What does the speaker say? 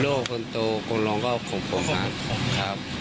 ลูกคนโตกรงรองก็ของผมครับ